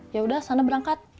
yaudah sana berangkat